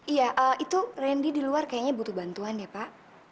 iya itu randy di luar kayaknya butuh bantuan ya pak